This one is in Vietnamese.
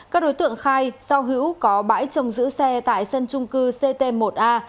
các đối tượng khai sao hữu có bãi trồng giữ xe tại sân trung cư ct một a